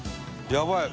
やばい！